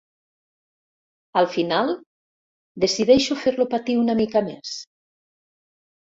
Al final, decideixo fer-lo patir una mica més.